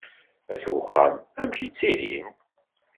At uxxam, amek i ttilin?